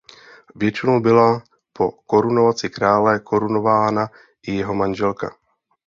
Většinou byla po korunovaci krále korunována i jeho manželka.